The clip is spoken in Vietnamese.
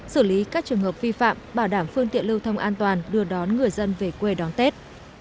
xử lý các trường hợp vi phạm bảo đảm phương tiện lưu thông an toàn đưa đón người dân về quê đón tết